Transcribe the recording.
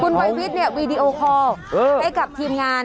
คุณวัยวิทย์เนี่ยวีดีโอคอร์ให้กับทีมงาน